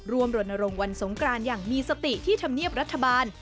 รณรงค์วันสงกรานอย่างมีสติที่ธรรมเนียบรัฐบาล